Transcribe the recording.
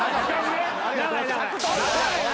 長い。